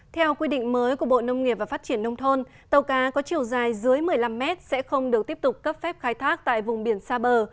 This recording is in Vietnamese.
theo quy định mới của bộ nông nghiệp và phát triển nông thôn tàu cá có chiều dài dưới một mươi năm mét sẽ không được tiếp tục cấp phép khai thác tại vùng biển xa bờ